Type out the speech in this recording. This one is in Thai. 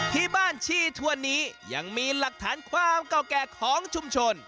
ที่บ้านชีทวนนี้ยังมีหลักฐานความเก่าแก่ของชุมชน